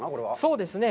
そうですね。